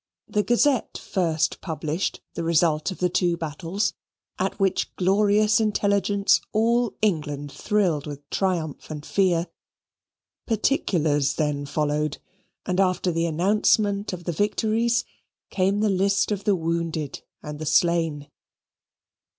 The Gazette first published the result of the two battles; at which glorious intelligence all England thrilled with triumph and fear. Particulars then followed; and after the announcement of the victories came the list of the wounded and the slain.